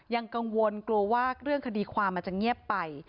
ยังกังวลกลัวว่าเรื่องคดีความมันจะเงียบไป